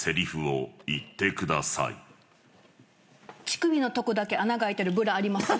乳首のとこだけ穴があいてるブラあります？